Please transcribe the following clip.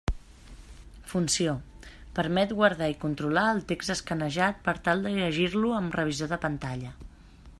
Funció: permet guardar i controlar el text escanejat per tal de llegir-lo amb revisor de pantalla.